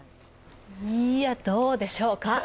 いやどうでしょうか？